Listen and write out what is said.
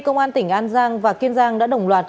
công an tỉnh an giang và kiên giang đã đồng loạt